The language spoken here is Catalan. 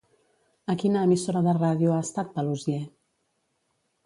A quina emissora de ràdio ha estat Paluzie?